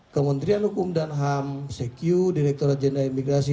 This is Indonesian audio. kementerian hukum dan ham secu direkturat jenderal imigrasi